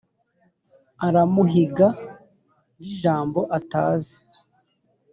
aramuhiga nk'ijambo atazi -